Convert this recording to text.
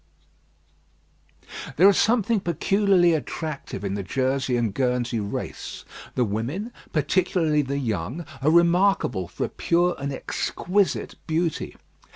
There is something peculiarly attractive in the Jersey and Guernsey race. The women, particularly the young, are remarkable for a pure and exquisite beauty.